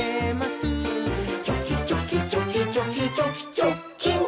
「チョキチョキチョキチョキチョキチョッキン！」